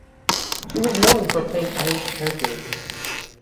She was known for playing Irish characters.